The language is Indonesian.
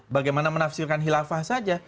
bagaimana menafsirkan hilafah saja